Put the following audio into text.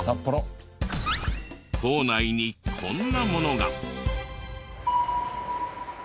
構内にこんなものが。